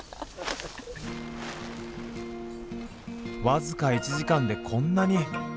僅か１時間でこんなに。